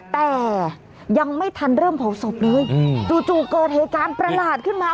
แต่ยังไม่ทันเริ่มเผาศพเลยจู่เกิดเหตุการณ์ประหลาดขึ้นมา